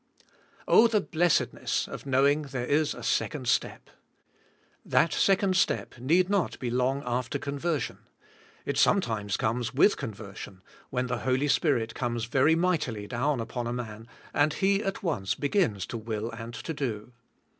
Oh, the blessedness of knowing there is a second step! That second step need not be long* after conversion. It sometimes comes with conver sion, when the Holy Spirit comes very mightily down upon a man and he at once begins to will and to do.